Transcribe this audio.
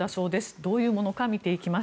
どういうものか見ていきます。